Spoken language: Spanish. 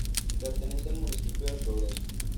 Pertenece al municipio de Progreso.